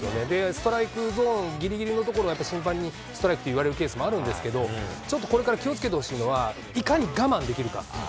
ストライクゾーンぎりぎりの所を審判にストライクって言われるケースもあるんですけど、ちょっとこれから気をつけてほしいのは、いかに我慢できるか。